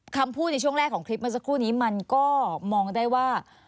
คำพูดในช่วงแรกของคลิปเมื่อสักครู่นี้มันก็มองได้ว่า